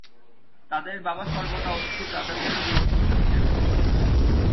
তাদের বাবা সর্বদা অস্থির রাজা থেকে বিরক্ত থাকতেন।